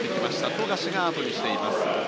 富樫が後にしています。